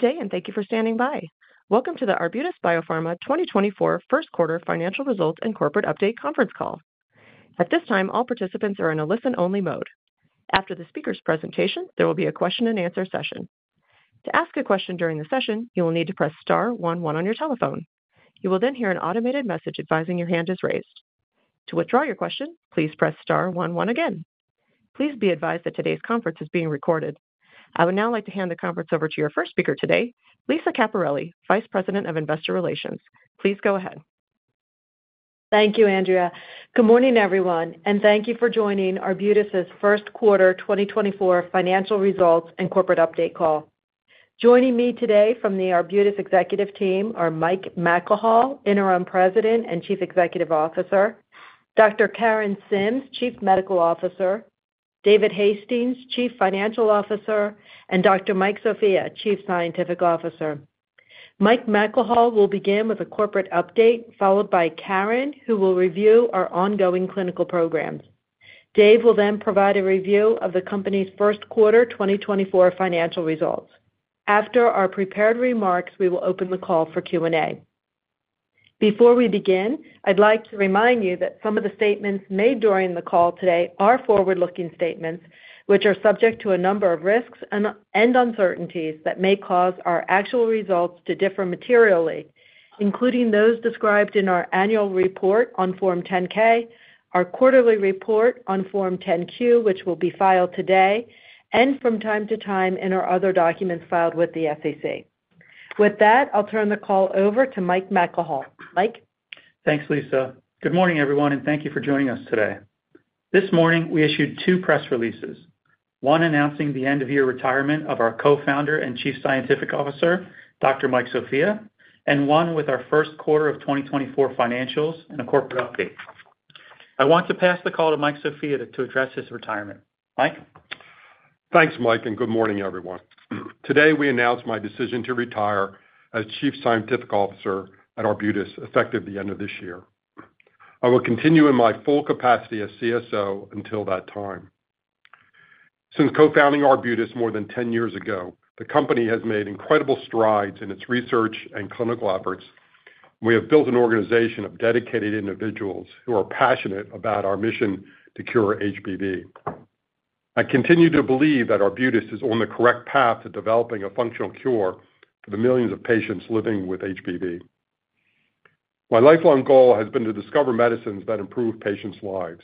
Good day and thank you for standing by. Welcome to the Arbutus Biopharma 2024 first quarter financial results and corporate update conference call. At this time, all participants are in a listen-only mode. After the speaker's presentation, there will be a question-and-answer session. To ask a question during the session, you will need to press star one one on your telephone. You will then hear an automated message advising your hand is raised. To withdraw your question, please press star one one again. Please be advised that today's conference is being recorded. I would now like to hand the conference over to your first speaker today, Lisa Caperelli, Vice President of Investor Relations. Please go ahead. Thank you, Andrea. Good morning, everyone, and thank you for joining Arbutus's first quarter 2024 financial results and corporate update call. Joining me today from the Arbutus executive team are Mike McElhaugh, Interim President and Chief Executive Officer; Dr. Karen Sims, Chief Medical Officer; David Hastings, Chief Financial Officer; and Dr. Mike Sofia, Chief Scientific Officer. Mike McElhaugh will begin with a corporate update, followed by Karen, who will review our ongoing clinical programs. Dave will then provide a review of the company's first quarter 2024 financial results. After our prepared remarks, we will open the call for Q&A. Before we begin, I'd like to remind you that some of the statements made during the call today are forward-looking statements, which are subject to a number of risks and uncertainties that may cause our actual results to differ materially, including those described in our annual report on Form 10-K, our quarterly report on Form 10-Q, which will be filed today, and from time to time in our other documents filed with the SEC. With that, I'll turn the call over to Mike McElhaugh. Mike? Thanks, Lisa. Good morning, everyone, and thank you for joining us today. This morning, we issued two press releases: one announcing the end-of-year retirement of our co-founder and Chief Scientific Officer, Dr. Mike Sofia, and one with our first quarter of 2024 financials and a corporate update. I want to pass the call to Mike Sofia to address his retirement. Mike? Thanks, Mike, and good morning, everyone. Today, we announce my decision to retire as Chief Scientific Officer at Arbutus effective the end of this year. I will continue in my full capacity as CSO until that time. Since co-founding Arbutus more than 10 years ago, the company has made incredible strides in its research and clinical efforts, and we have built an organization of dedicated individuals who are passionate about our mission to cure HBV. I continue to believe that Arbutus is on the correct path to developing a functional cure for the millions of patients living with HBV. My lifelong goal has been to discover medicines that improve patients' lives.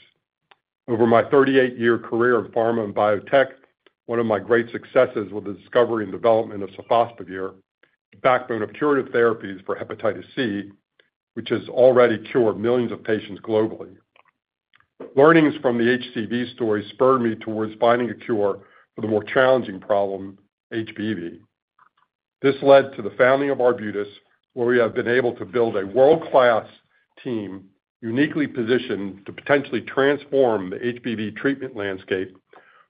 Over my 38-year career in pharma and biotech, one of my great successes was the discovery and development of sofosbuvir, the backbone of curative therapies for hepatitis C, which has already cured millions of patients globally. Learnings from the HCV story spurred me towards finding a cure for the more challenging problem, HBV. This led to the founding of Arbutus, where we have been able to build a world-class team uniquely positioned to potentially transform the HBV treatment landscape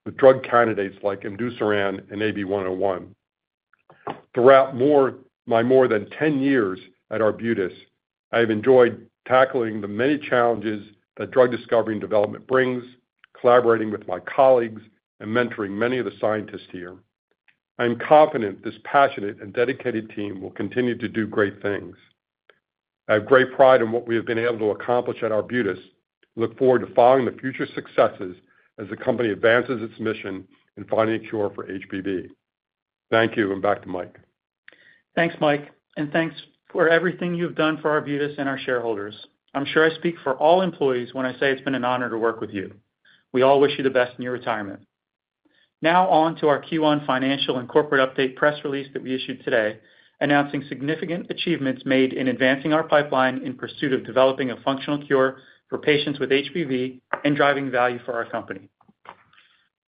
with drug candidates like imdusiran and AB-101. Throughout my more than 10 years at Arbutus, I have enjoyed tackling the many challenges that drug discovery and development brings, collaborating with my colleagues, and mentoring many of the scientists here. I am confident this passionate and dedicated team will continue to do great things. I have great pride in what we have been able to accomplish at Arbutus and look forward to following the future successes as the company advances its mission in finding a cure for HBV. Thank you, and back to Mike. Thanks, Mike, and thanks for everything you've done for Arbutus and our shareholders. I'm sure I speak for all employees when I say it's been an honor to work with you. We all wish you the best in your retirement. Now, on to our Q1 financial and corporate update press release that we issued today, announcing significant achievements made in advancing our pipeline in pursuit of developing a functional cure for patients with HBV and driving value for our company.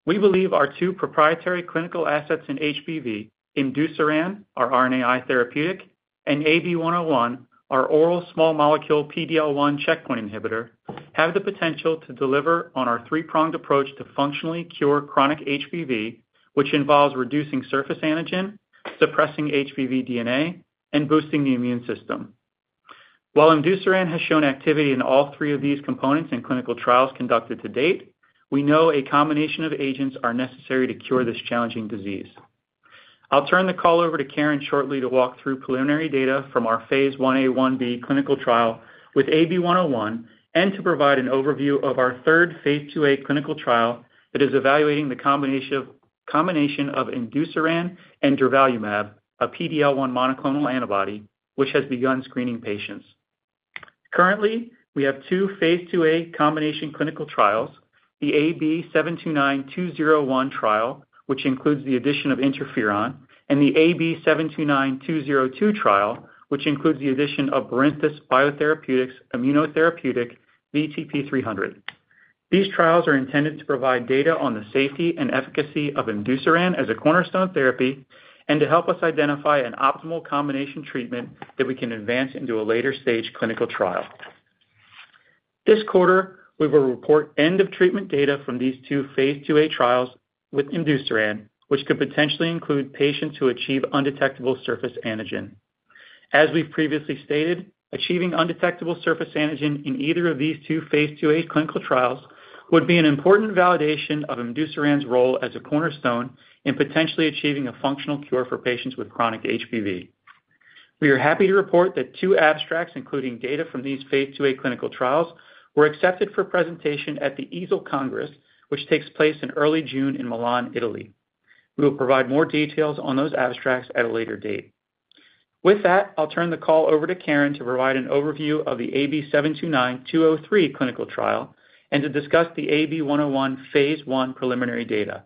We believe our two proprietary clinical assets in HBV, imdusiran, our RNAi therapeutic, and AB-101, our oral small molecule PD-L1 checkpoint inhibitor, have the potential to deliver on our three-pronged approach to functionally cure chronic HBV, which involves reducing surface antigen, suppressing HBV DNA, and boosting the immune system. While imdusiran has shown activity in all three of these components in clinical trials conducted to date, we know a combination of agents are necessary to cure this challenging disease. I'll turn the call over to Karen shortly to walk through preliminary data from our phase Ia/Ib clinical trial with AB-101 and to provide an overview of our third phase IIa clinical trial that is evaluating the combination of imdusiran and durvalumab, a PD-L1 monoclonal antibody, which has begun screening patients. Currently, we have two phase IIa combination clinical trials, the AB-729-201 trial, which includes the addition of interferon, and the AB-729-202 trial, which includes the addition of Barinthus Biotherapeutics' immunotherapeutic VTP-300. These trials are intended to provide data on the safety and efficacy of imdusiran as a cornerstone therapy and to help us identify an optimal combination treatment that we can advance into a later-stage clinical trial. This quarter, we will report end-of-treatment data from these two phase IIa trials with imdusiran, which could potentially include patients who achieve undetectable surface antigen. As we've previously stated, achieving undetectable surface antigen in either of these two phase IIa clinical trials would be an important validation of imdusiran's role as a cornerstone in potentially achieving a functional cure for patients with chronic HBV. We are happy to report that two abstracts, including data from these phase IIa clinical trials, were accepted for presentation at the EASL Congress, which takes place in early June in Milan, Italy. We will provide more details on those abstracts at a later date. With that, I'll turn the call over to Karen to provide an overview of the AB-729-203 clinical trial and to discuss the AB-101 phase I preliminary data.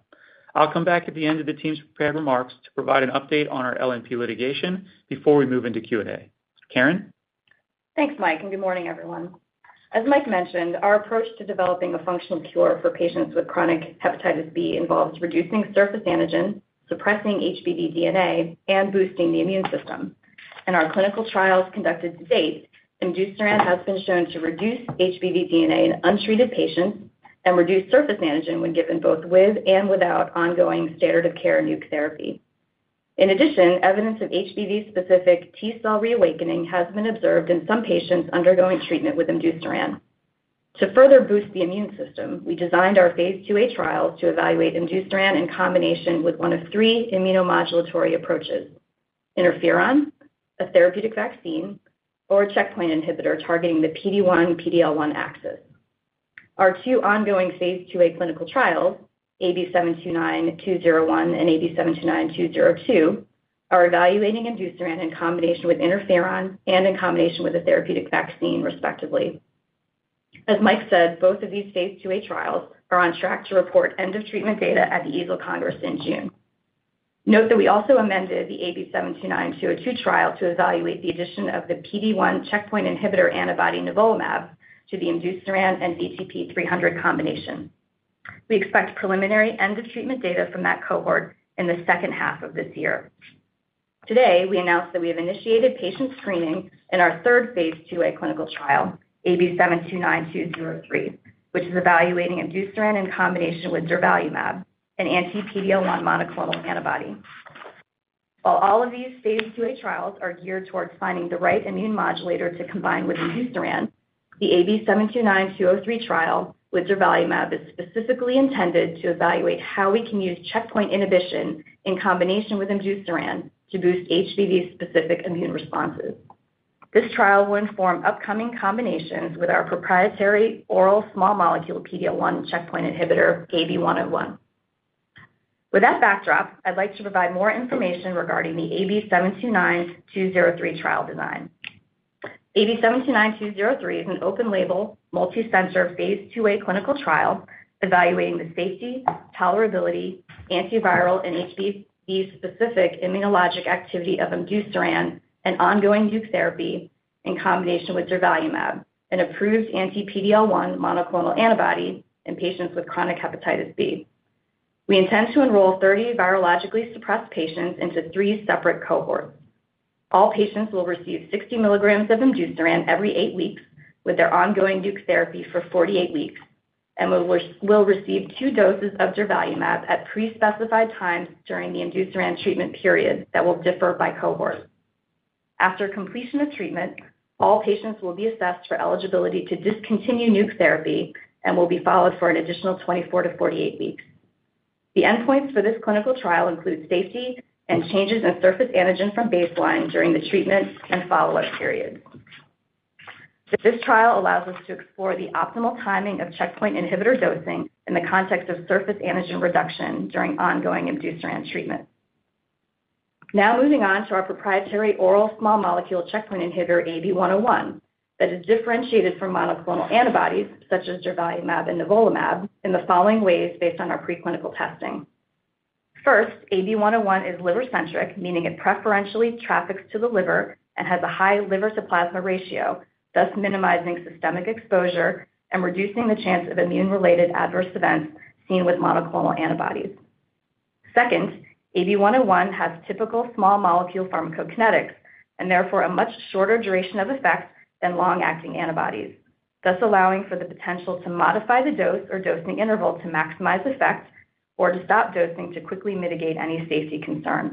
I'll come back at the end of the team's prepared remarks to provide an update on our LNP litigation before we move into Q&A. Karen? Thanks, Mike, and good morning, everyone. As Mike mentioned, our approach to developing a functional cure for patients with chronic hepatitis B involves reducing surface antigen, suppressing HBV DNA, and boosting the immune system. In our clinical trials conducted to date, imdusiran has been shown to reduce HBV DNA in untreated patients and reduce surface antigen when given both with and without ongoing standard-of-care Nuc therapy. In addition, evidence of HBV-specific T-cell reawakening has been observed in some patients undergoing treatment with imdusiran. To further boost the immune system, we designed our phase IIa trials to evaluate imdusiran in combination with one of three immunomodulatory approaches: interferon, a therapeutic vaccine, or a checkpoint inhibitor targeting the PD-1/PD-L1 axis. Our two ongoing phase IIa clinical trials, AB-729-201 and AB-729-202, are evaluating imdusiran in combination with interferon and in combination with a therapeutic vaccine, respectively. As Mike said, both of these phase IIa trials are on track to report end-of-treatment data at the EASL Congress in June. Note that we also amended the AB-729-202 trial to evaluate the addition of the PD-1 checkpoint inhibitor antibody nivolumab to the imdusiran and VTP-300 combination. We expect preliminary end-of-treatment data from that cohort in the second half of this year. Today, we announced that we have initiated patient screening in our third phase IIa clinical trial, AB-729-203, which is evaluating imdusiran in combination with durvalumab, an anti-PD-L1 monoclonal antibody. While all of these phase IIa trials are geared towards finding the right immune modulator to combine with imdusiran, the AB-729-203 trial with durvalumab is specifically intended to evaluate how we can use checkpoint inhibition in combination with imdusiran to boost HBV-specific immune responses. This trial will inform upcoming combinations with our proprietary oral small molecule PD-L1 checkpoint inhibitor, AB-101. With that backdrop, I'd like to provide more information regarding the AB-729-203 trial design. AB-729-203 is an open-label, multicenter phase IIa clinical trial evaluating the safety, tolerability, antiviral, and HBV-specific immunologic activity of imdusiran and ongoing Nuc therapy in combination with durvalumab, an approved anti-PD-L1 monoclonal antibody in patients with chronic hepatitis B. We intend to enroll 30 virologically suppressed patients into three separate cohorts. All patients will receive 60 mg of imdusiran every eight weeks with their ongoing Nuc therapy for 48 weeks and will receive two doses of durvalumab at prespecified times during the imdusiran treatment period that will differ by cohort. After completion of treatment, all patients will be assessed for eligibility to discontinue Nuc therapy and will be followed for an additional 24 to 48 weeks. The endpoints for this clinical trial include safety and changes in surface antigen from baseline during the treatment and follow-up periods. This trial allows us to explore the optimal timing of checkpoint inhibitor dosing in the context of surface antigen reduction during ongoing imdusiran treatment. Now moving on to our proprietary oral small molecule checkpoint inhibitor, AB-101, that is differentiated from monoclonal antibodies such as durvalumab and nivolumab in the following ways based on our preclinical testing. First, AB-101 is liver-centric, meaning it preferentially traffics to the liver and has a high liver-to-plasma ratio, thus minimizing systemic exposure and reducing the chance of immune-related adverse events seen with monoclonal antibodies. Second, AB-101 has typical small molecule pharmacokinetics and therefore a much shorter duration of effect than long-acting antibodies, thus allowing for the potential to modify the dose or dosing interval to maximize effect or to stop dosing to quickly mitigate any safety concerns.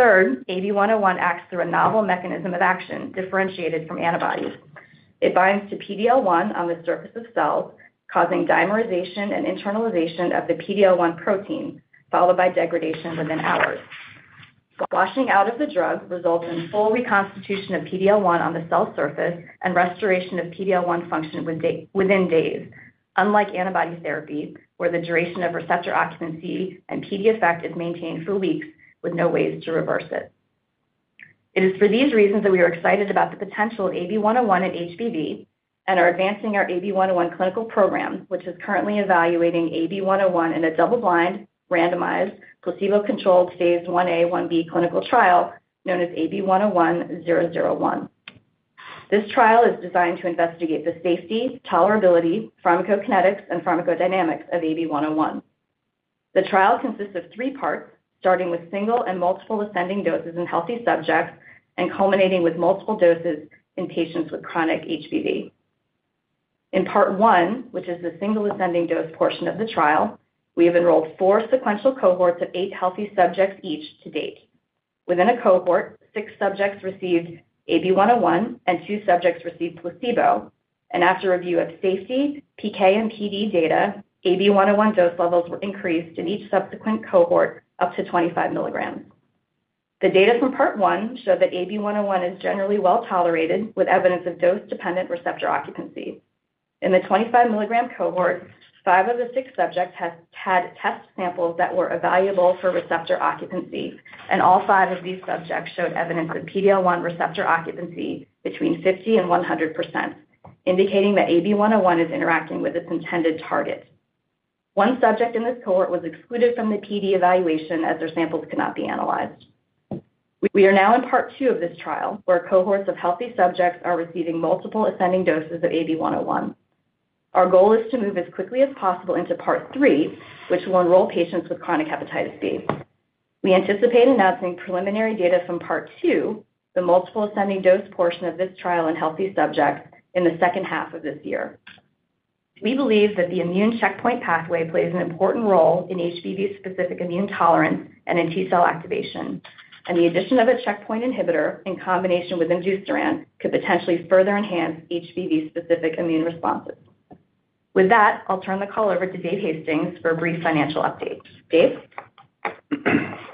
Third, AB-101 acts through a novel mechanism of action differentiated from antibodies. It binds to PD-L1 on the surface of cells, causing dimerization and internalization of the PD-L1 protein, followed by degradation within hours. Washing out of the drug results in full reconstitution of PD-L1 on the cell surface and restoration of PD-L1 function within days, unlike antibody therapy, where the duration of receptor occupancy and PD effect is maintained for weeks with no ways to reverse it. It is for these reasons that we are excited about the potential of AB-101 in HBV and are advancing our AB-101 clinical program, which is currently evaluating AB-101 in a double-blind, randomized, placebo-controlled phase Ia/Ib clinical trial known as AB-101-001. This trial is designed to investigate the safety, tolerability, pharmacokinetics, and pharmacodynamics of AB-101. The trial consists of three parts, starting with single and multiple ascending doses in healthy subjects and culminating with multiple doses in patients with chronic HBV. In Part 1, which is the single ascending dose portion of the trial, we have enrolled four sequential cohorts of eight healthy subjects each to date. Within a cohort, six subjects received AB-101 and two subjects received placebo, and after review of safety, PK, and PD data, AB-101 dose levels were increased in each subsequent cohort up to 25 mg. The data from Part 1 showed that AB-101 is generally well tolerated with evidence of dose-dependent receptor occupancy. In the 25-milligram cohort, five of the six subjects had test samples that were evaluable for receptor occupancy, and all five of these subjects showed evidence of PD-L1 receptor occupancy between 50%-100%, indicating that AB-101 is interacting with its intended target. One subject in this cohort was excluded from the PD evaluation as their samples could not be analyzed. We are now in Part 2 of this trial, where cohorts of healthy subjects are receiving multiple ascending doses of AB-101. Our goal is to move as quickly as possible into Part 3, which will enroll patients with chronic hepatitis B. We anticipate announcing preliminary data from Part 2, the multiple ascending dose portion of this trial in healthy subjects, in the second half of this year. We believe that the immune checkpoint pathway plays an important role in HBV-specific immune tolerance and in T-cell activation, and the addition of a checkpoint inhibitor in combination with imdusiran could potentially further enhance HBV-specific immune responses. With that, I'll turn the call over to Dave Hastings for a brief financial update. Dave?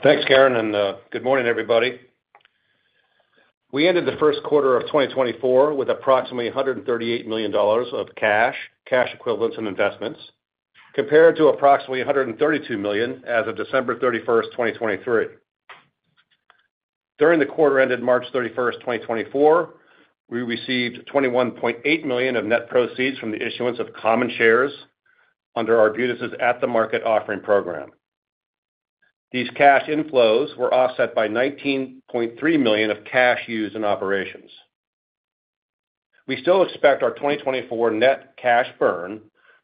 Thanks, Karen, and good morning, everybody. We ended the first quarter of 2024 with approximately $138 million of cash, cash equivalents in investments, compared to approximately $132 million as of December 31st, 2023. During the quarter ended March 31st, 2024, we received $21.8 million of net proceeds from the issuance of common shares under Arbutus's at-the-market offering program. These cash inflows were offset by $19.3 million of cash used in operations. We still expect our 2024 net cash burn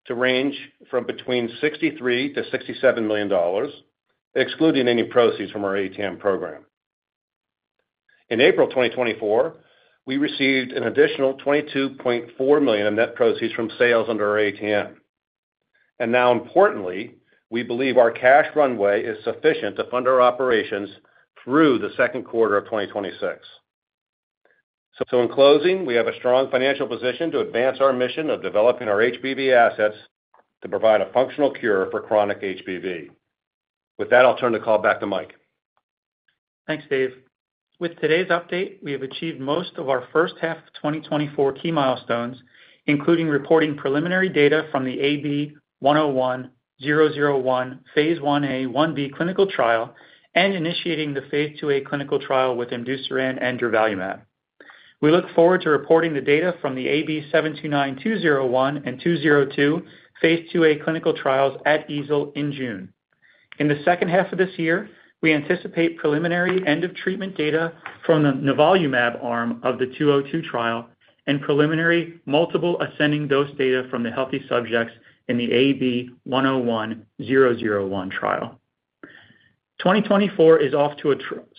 to range from between $63-$67 million, excluding any proceeds from our ATM program. In April 2024, we received an additional $22.4 million of net proceeds from sales under our ATM. And now, importantly, we believe our cash runway is sufficient to fund our operations through the second quarter of 2026. So in closing, we have a strong financial position to advance our mission of developing our HBV assets to provide a functional cure for chronic HBV. With that, I'll turn the call back to Mike. Thanks, Dave. With today's update, we have achieved most of our first half of 2024 key milestones, including reporting preliminary data from the AB-101-001 phase Ia/Ib clinical trial and initiating the phase IIa clinical trial with imdusiran and durvalumab. We look forward to reporting the data from the AB-729-201 and AB-729-202 phase IIa clinical trials at EASL in June. In the second half of this year, we anticipate preliminary end-of-treatment data from the nivolumab arm of the AB-729-202 trial and preliminary multiple ascending dose data from the healthy subjects in the AB-101-001 trial. 2024 is off to a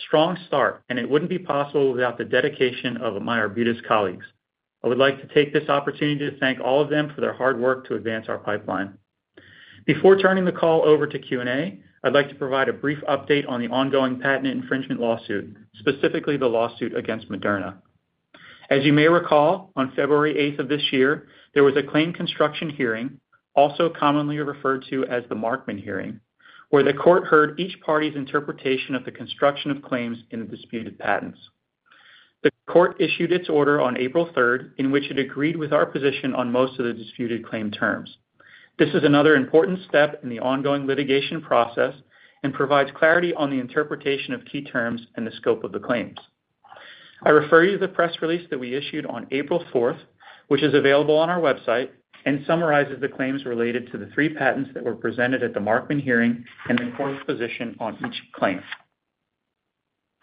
strong start, and it wouldn't be possible without the dedication of my Arbutus colleagues. I would like to take this opportunity to thank all of them for their hard work to advance our pipeline. Before turning the call over to Q&A, I'd like to provide a brief update on the ongoing patent infringement lawsuit, specifically the lawsuit against Moderna. As you may recall, on February 8th of this year, there was a claim construction hearing, also commonly referred to as the Markman hearing, where the court heard each party's interpretation of the construction of claims in the disputed patents. The court issued its order on April 3rd, in which it agreed with our position on most of the disputed claim terms. This is another important step in the ongoing litigation process and provides clarity on the interpretation of key terms and the scope of the claims. I refer you to the press release that we issued on April 4th, which is available on our website and summarizes the claims related to the three patents that were presented at the Markman hearing and the court's position on each claim.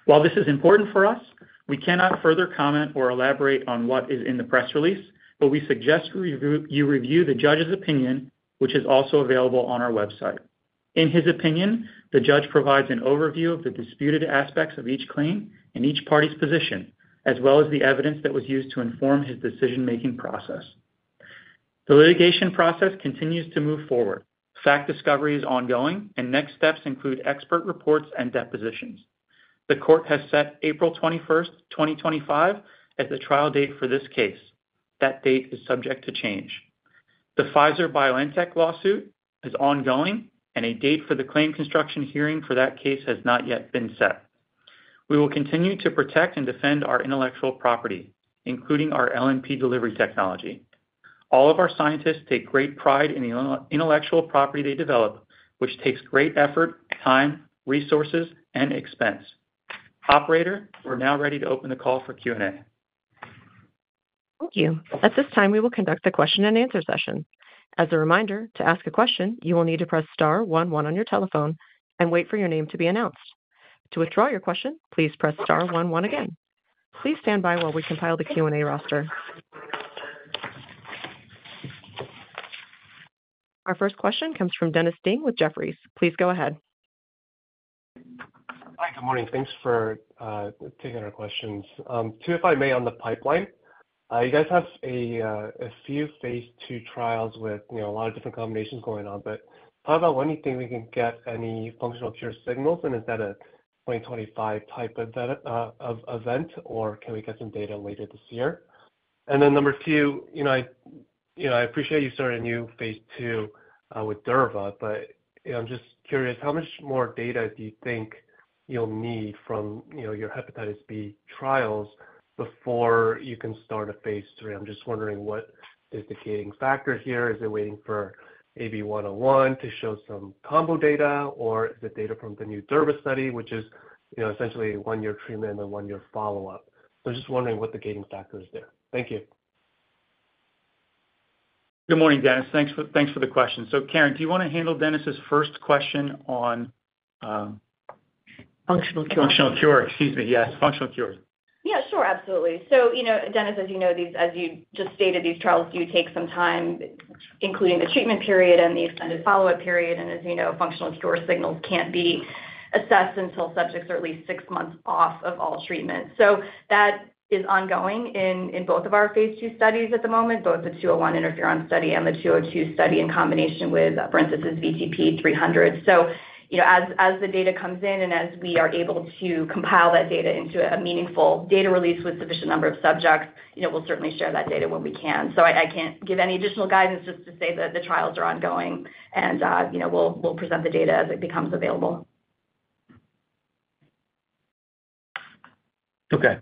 While this is important for us, we cannot further comment or elaborate on what is in the press release, but we suggest you review the judge's opinion, which is also available on our website. In his opinion, the judge provides an overview of the disputed aspects of each claim and each party's position, as well as the evidence that was used to inform his decision-making process. The litigation process continues to move forward. Fact discovery is ongoing, and next steps include expert reports and depositions. The court has set April 21st, 2025, as the trial date for this case. That date is subject to change. The Pfizer-BioNTech lawsuit is ongoing, and a date for the claim construction hearing for that case has not yet been set. We will continue to protect and defend our intellectual property, including our LNP delivery technology. All of our scientists take great pride in the intellectual property they develop, which takes great effort, time, resources, and expense. Operator, we're now ready to open the call for Q&A. Thank you. At this time, we will conduct a question-and-answer session. As a reminder, to ask a question, you will need to press star one one on your telephone and wait for your name to be announced. To withdraw your question, please press star one one again. Please stand by while we compile the Q&A roster. Our first question comes from Dennis Ding with Jefferies. Please go ahead. Hi. Good morning. Thanks for taking our questions. Two, if I may, on the pipeline. You guys have a few phase II trials with a lot of different combinations going on, but how about when do you think we can get any functional cure signals, and is that a 2025 type of event, or can we get some data later this year? And then number two, I appreciate you starting a new phase II with durvalumab, but I'm just curious, how much more data do you think you'll need from your hepatitis B trials before you can start a phase III? I'm just wondering, what is the gating factor here? Is it waiting for AB-101 to show some combo data, or is it data from the new durvalumab study, which is essentially one-year treatment and one-year follow-up? So I'm just wondering what the gating factor is there. Thank you. Good morning, Dennis. Thanks for the question. Karen, do you want to handle Dennis's first question on? Functional cure. Functional cure. Excuse me. Yes. Functional cure. Yeah. Sure. Absolutely. So, Dennis, as you know, as you just stated, these trials do take some time, including the treatment period and the extended follow-up period. And as you know, functional cure signals can't be assessed until subjects are at least six months off of all treatment. So that is ongoing in both of our phase II studies at the moment, both the 201 interferon study and the 202 study in combination with, for instance, VTP-300. So as the data comes in and as we are able to compile that data into a meaningful data release with a sufficient number of subjects, we'll certainly share that data when we can. So I can't give any additional guidance, just to say that the trials are ongoing, and we'll present the data as it becomes available. Okay.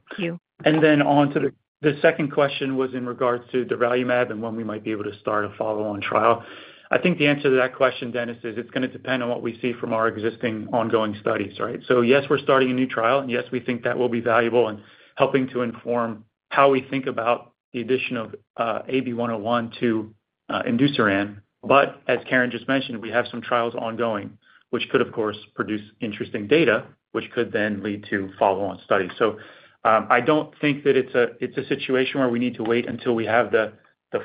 Thank you. Then on to the second question was in regards to durvalumab and when we might be able to start a follow-on trial. I think the answer to that question, Dennis, is it's going to depend on what we see from our existing ongoing studies, right? So yes, we're starting a new trial, and yes, we think that will be valuable in helping to inform how we think about the addition of AB-101 to imdusiran. But as Karen just mentioned, we have some trials ongoing, which could, of course, produce interesting data, which could then lead to follow-on studies. So I don't think that it's a situation where we need to wait until we have the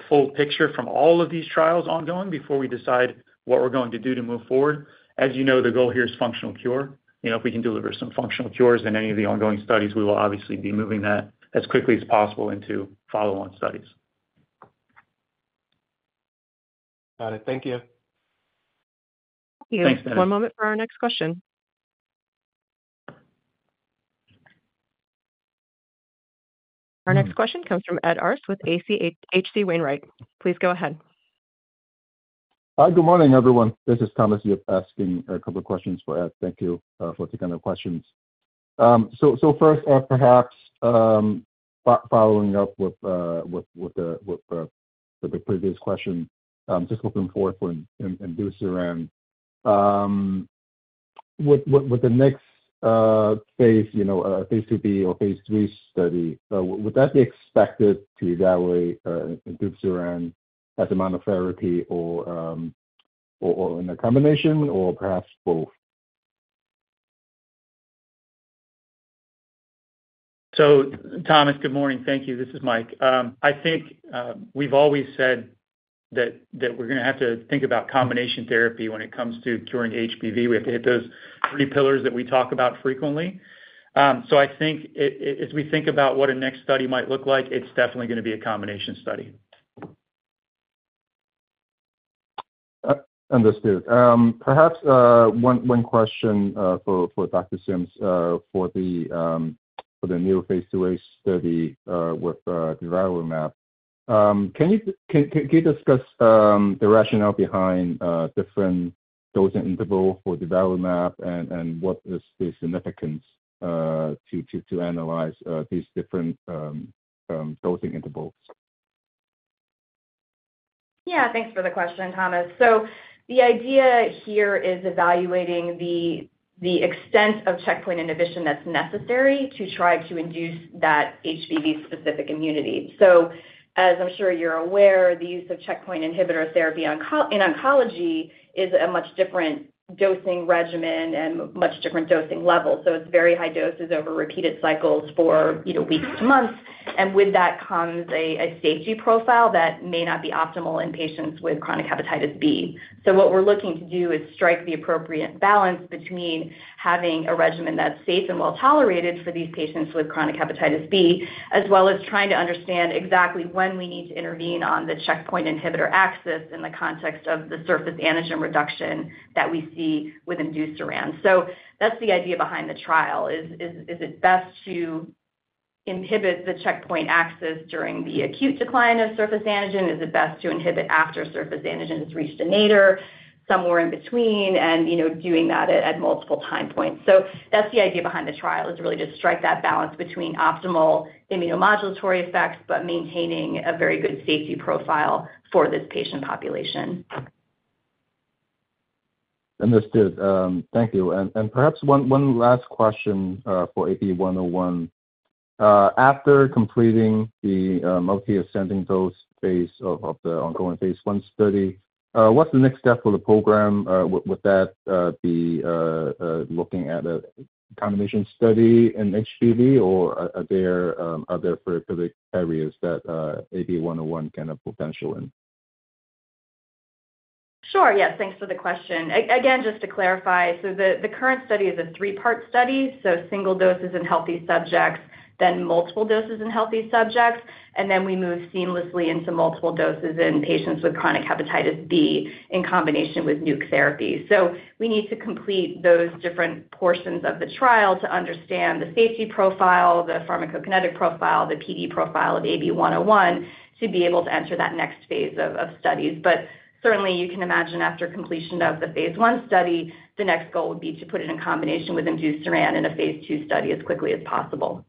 full picture from all of these trials ongoing before we decide what we're going to do to move forward. As you know, the goal here is functional cure. If we can deliver some functional cures in any of the ongoing studies, we will obviously be moving that as quickly as possible into follow-on studies. Got it. Thank you. Thanks, Dennis. One moment for our next question. Our next question comes from Ed Arce with H.C. Wainwright. Please go ahead. Hi. Good morning, everyone. This is Thomas Yip asking a couple of questions for Ed. Thank you for taking our questions. So first, perhaps following up with the previous question, just looking forward to imdusiran. With the next phase, a phase IIb or phase III study, would that be expected to evaluate imdusiran as a monotherapy or in a combination, or perhaps both? So, Thomas, good morning. Thank you. This is Mike. I think we've always said that we're going to have to think about combination therapy when it comes to curing HBV. We have to hit those three pillars that we talk about frequently. So I think as we think about what a next study might look like, it's definitely going to be a combination study. Understood. Perhaps one question for Dr. Sims for the new phase IIa study with durvalumab. Can you discuss the rationale behind different dosing intervals for durvalumab and what is the significance to analyze these different dosing intervals? Yeah. Thanks for the question, Thomas. So the idea here is evaluating the extent of checkpoint inhibition that's necessary to try to induce that HBV-specific immunity. So, as I'm sure you're aware, the use of checkpoint inhibitor therapy in oncology is a much different dosing regimen and much different dosing level. So it's very high doses over repeated cycles for weeks to months. And with that comes a safety profile that may not be optimal in patients with chronic hepatitis B. So what we're looking to do is strike the appropriate balance between having a regimen that's safe and well-tolerated for these patients with chronic hepatitis B, as well as trying to understand exactly when we need to intervene on the checkpoint inhibitor axis in the context of the surface antigen reduction that we see with imdusiran. So that's the idea behind the trial. Is it best to inhibit the checkpoint axis during the acute decline of surface antigen? Is it best to inhibit after surface antigen has reached a nadir, somewhere in between, and doing that at multiple time points? That's the idea behind the trial, is really to strike that balance between optimal immunomodulatory effects but maintaining a very good safety profile for this patient population. Understood. Thank you. And perhaps one last question for AB-101. After completing the multi-ascending dose phase of the ongoing phase I study, what's the next step for the program? Would that be looking at a combination study in HBV, or are there other therapeutic areas that AB-101 can have potential in? Sure. Yes. Thanks for the question. Again, just to clarify, so the current study is a three-part study. So single doses in healthy subjects, then multiple doses in healthy subjects, and then we move seamlessly into multiple doses in patients with chronic hepatitis B in combination with Nuc therapy. So we need to complete those different portions of the trial to understand the safety profile, the pharmacokinetic profile, the PD profile of AB-101 to be able to enter that next phase of studies. But certainly, you can imagine after completion of the phase I study, the next goal would be to put it in combination with imdusiran in a phase II study as quickly as possible.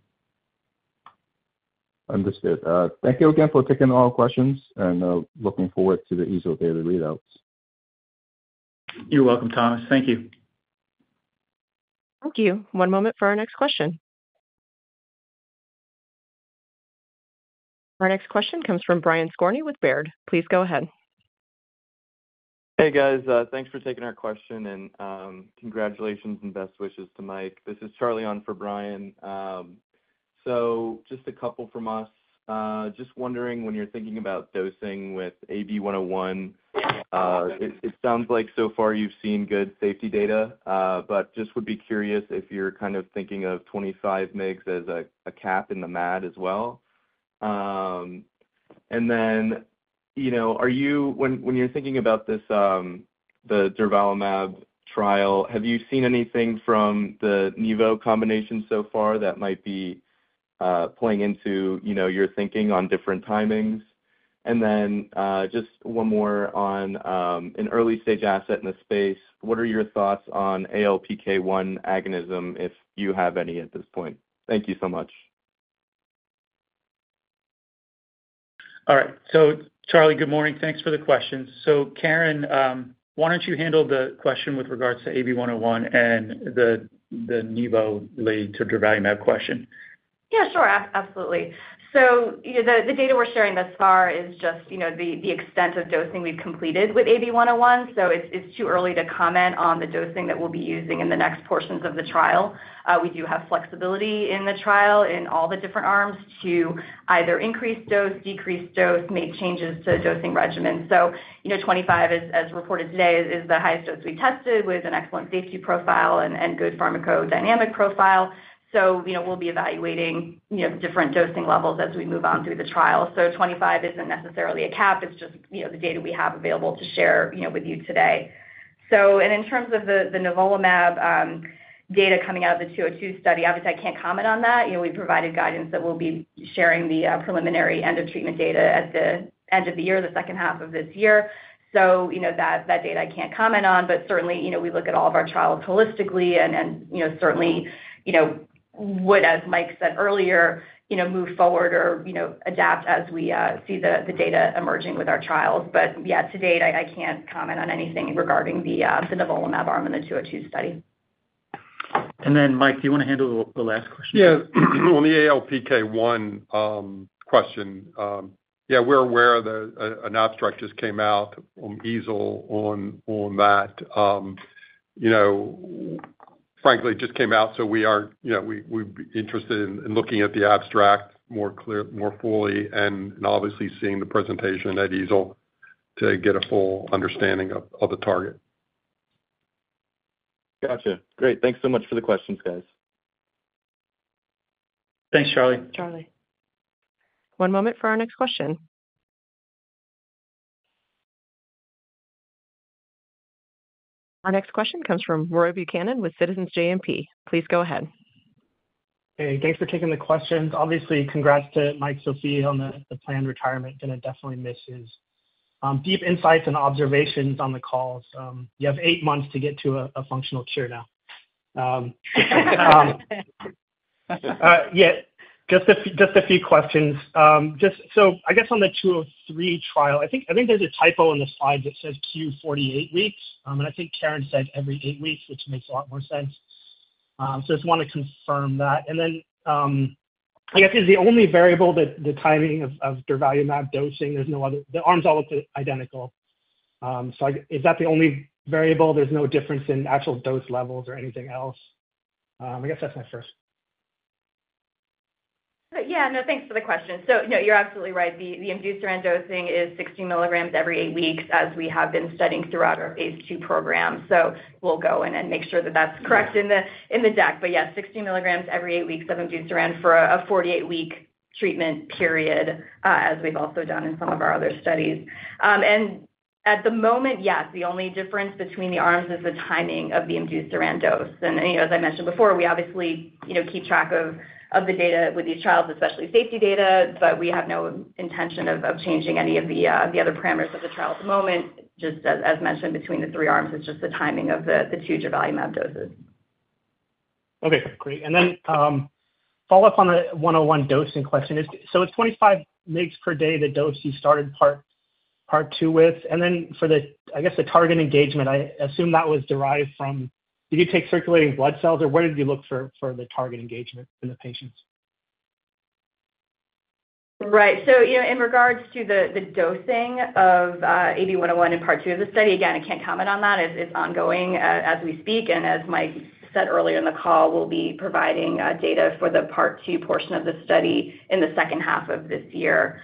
Understood. Thank you again for taking all questions and looking forward to the EASL daily readouts. You're welcome, Thomas. Thank you. Thank you. One moment for our next question. Our next question comes from Brian Skorney with Baird. Please go ahead. Hey, guys. Thanks for taking our question, and congratulations and best wishes to Mike. This is Charlie on for Brian. So just a couple from us. Just wondering, when you're thinking about dosing with AB-101, it sounds like so far you've seen good safety data, but just would be curious if you're kind of thinking of 25 mg as a cap in the MAD as well. And then are you, when you're thinking about the durvalumab trial, have you seen anything from the nivolumab combination so far that might be playing into your thinking on different timings? And then just one more on an early-stage asset in the space, what are your thoughts on ALPK1 agonism, if you have any at this point? Thank you so much. All right. So, Charlie, good morning. Thanks for the questions. So, Karen, why don't you handle the question with regards to AB-101 and the Nivo-related to durvalumab question? Yeah. Sure. Absolutely. So the data we're sharing thus far is just the extent of dosing we've completed with AB-101. So it's too early to comment on the dosing that we'll be using in the next portions of the trial. We do have flexibility in the trial in all the different arms to either increase dose, decrease dose, make changes to dosing regimens. So 25, as reported today, is the highest dose we tested with an excellent safety profile and good pharmacodynamic profile. So we'll be evaluating different dosing levels as we move on through the trial. So 25 isn't necessarily a cap. It's just the data we have available to share with you today. So in terms of the nivolumab data coming out of the 202 study, obviously, I can't comment on that. We've provided guidance that we'll be sharing the preliminary end-of-treatment data at the end of the year, the second half of this year. So that data, I can't comment on. But certainly, we look at all of our trials holistically and certainly would, as Mike said earlier, move forward or adapt as we see the data emerging with our trials. But yeah, to date, I can't comment on anything regarding the nivolumab arm in the 202 study. And then, Mike, do you want to handle the last question? Yeah. On the ALPK1 question, yeah, we're aware that an abstract just came out from EASL on that. Frankly, it just came out, so we're interested in looking at the abstract more fully and obviously seeing the presentation at EASL to get a full understanding of the target. Gotcha. Great. Thanks so much for the questions, guys. Thanks, Charlie. One moment for our next question. Our next question comes from Roy Buchanan with Citizens JMP. Please go ahead. Hey. Thanks for taking the questions. Obviously, congrats to Mike Sofia on the planned retirement. Going to definitely miss his deep insights and observations on the calls. You have 8 months to get to a functional cure now. Yeah. Just a few questions. So I guess on the 203 trial, I think there's a typo on the slide that says Q48 weeks. And I think Karen said every 8 weeks, which makes a lot more sense. So I just want to confirm that. And then I guess is the only variable the timing of durvalumab dosing? The arms all look identical. So is that the only variable? There's no difference in actual dose levels or anything else? I guess that's my first. Yeah. No. Thanks for the question. So no, you're absolutely right. The imdusiran dosing is 60 mg every 8 weeks as we have been studying throughout our phase II program. So we'll go in and make sure that that's correct in the deck. But yes, 60 mg every 8 weeks of imdusiran for a 48-week treatment period, as we've also done in some of our other studies. And at the moment, yes, the only difference between the arms is the timing of the imdusiran dose. And as I mentioned before, we obviously keep track of the data with these trials, especially safety data, but we have no intention of changing any of the other parameters of the trial at the moment. Just as mentioned, between the three arms, it's just the timing of the two durvalumab doses. Okay. Great. And then follow-up on the 101 dosing question is, so it's 25 mgs per day, the dose you started Part 2 with. And then for the, I guess, the target engagement, I assume that was derived from did you take circulating blood cells, or where did you look for the target engagement in the patients? Right. So in regards to the dosing of AB-101 in Part 2 of the study, again, I can't comment on that. It's ongoing as we speak. And as Mike said earlier in the call, we'll be providing data for the Part 2 portion of the study in the second half of this year.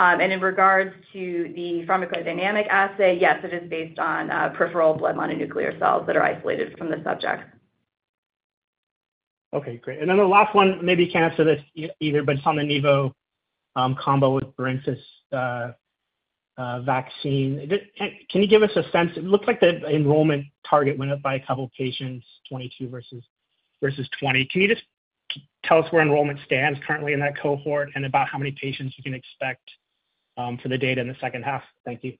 And in regards to the pharmacodynamic assay, yes, it is based on peripheral blood mononuclear cells that are isolated from the subjects. Okay. Great. And then the last one, maybe you can't answer this either, but it's on the nivolumab combo with Barinthus vaccine. Can you give us a sense? It looks like the enrollment target went up by a couple of patients, 22 versus 20. Can you just tell us where enrollment stands currently in that cohort and about how many patients you can expect for the data in the second half? Thank you.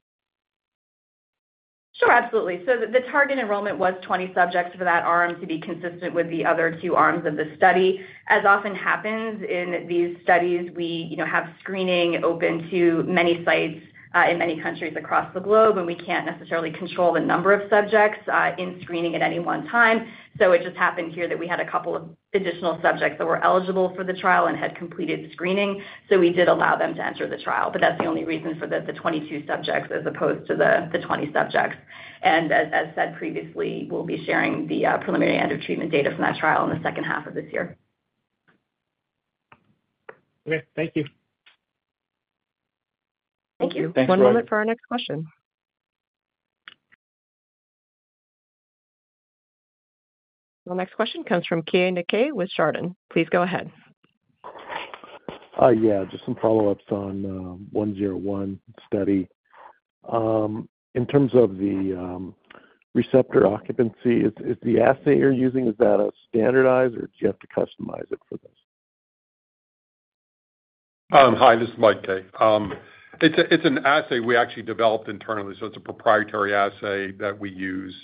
Sure. Absolutely. So the target enrollment was 20 subjects for that arm to be consistent with the other two arms of the study. As often happens in these studies, we have screening open to many sites in many countries across the globe, and we can't necessarily control the number of subjects in screening at any one time. So it just happened here that we had a couple of additional subjects that were eligible for the trial and had completed screening. So we did allow them to enter the trial. But that's the only reason for the 22 subjects as opposed to the 20 subjects. And as said previously, we'll be sharing the preliminary end-of-treatment data from that trial in the second half of this year. Okay. Thank you. Thank you. Thanks for that. One moment for our next question. Well, next question comes from Keay Nakae with Chardan. Please go ahead. Yeah. Just some follow-ups on 101 study. In terms of the receptor occupancy, is the assay you're using, is that a standardized, or do you have to customize it for this? Hi. This is Mike, Keay. It's an assay we actually developed internally. So it's a proprietary assay that we use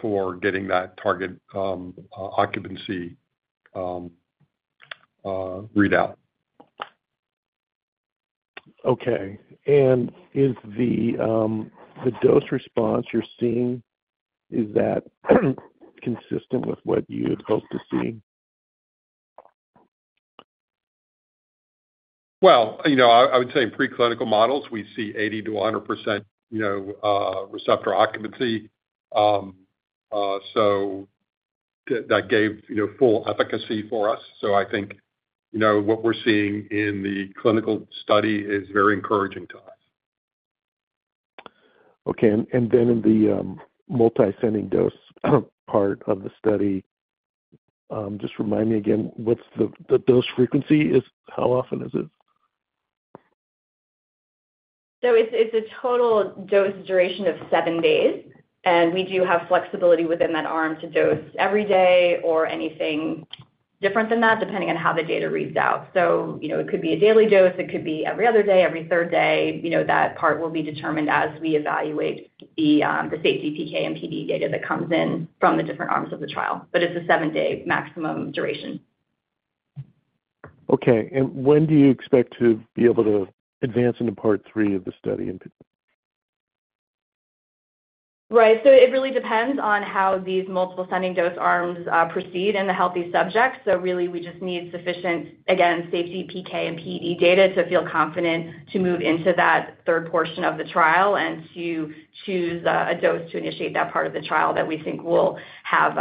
for getting that target occupancy readout. Okay. Is the dose-response you're seeing, is that consistent with what you'd hope to see? Well, I would say in preclinical models, we see 80%-100% receptor occupancy. So that gave full efficacy for us. So I think what we're seeing in the clinical study is very encouraging to us. Okay. And then in the multiple ascending dose part of the study, just remind me again, what's the dose frequency? How often is it? So it's a total dose duration of seven days. And we do have flexibility within that arm to dose every day or anything different than that, depending on how the data reads out. So it could be a daily dose. It could be every other day, every third day. That part will be determined as we evaluate the safety PK and PD data that comes in from the different arms of the trial. But it's a seven-day maximum duration. Okay. When do you expect to be able to advance into Part 3 of the study? Right. So it really depends on how these multiple ascending dose arms proceed in the healthy subjects. So really, we just need sufficient, again, safety PK and PD data to feel confident to move into that third portion of the trial and to choose a dose to initiate that part of the trial that we think will have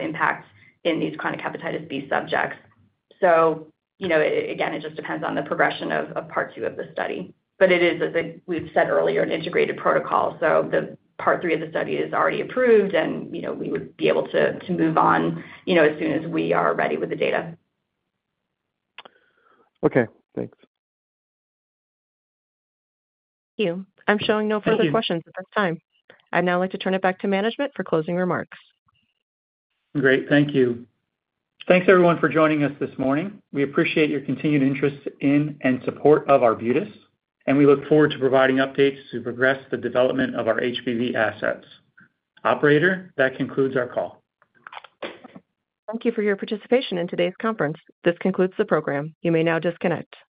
impact in these chronic hepatitis B subjects. So again, it just depends on the progression of Part 2 of the study. But it is, as we've said earlier, an integrated protocol. So the Part 3 of the study is already approved, and we would be able to move on as soon as we are ready with the data. Okay. Thanks. Thank you. I'm showing no further questions at this time. I'd now like to turn it back to management for closing remarks. Great. Thank you. Thanks, everyone, for joining us this morning. We appreciate your continued interest in and support of Arbutus, and we look forward to providing updates to progress the development of our HBV assets. Operator, that concludes our call. Thank you for your participation in today's conference. This concludes the program. You may now disconnect.